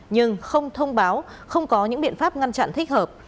nhưng không thông báo không có những biện pháp ngăn chặn thích hợp